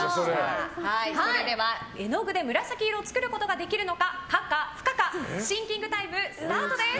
それでは絵の具で紫色を作ることができるのか可か不可かシンキングタイムスタートです。